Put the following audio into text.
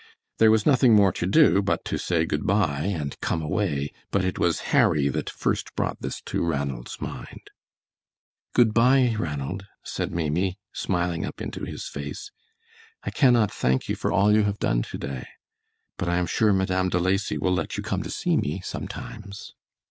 There was nothing more to do, but to say good by and come away, but it was Harry that first brought this to Ranald's mind. "Good by, Ranald," said Maimie, smiling up into his face. "I cannot thank you for all you have done to day, but I am sure Madame De Lacy will let you come to see me sometimes."